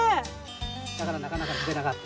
だからなかなか抜けなかった。